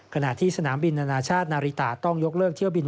ขณะที่สนามบินนานาชาตินาริตาต้องยกเลิกเที่ยวบิน